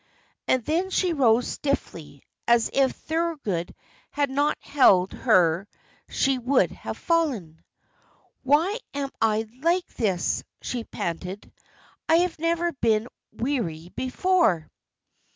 And then she rose stiffly, and if Thorold had not held her she would have fallen. "Why am I like this?" she panted. "I have never been weary before."